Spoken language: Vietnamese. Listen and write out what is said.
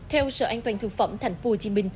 theo sở an toàn thực phẩm tp hcm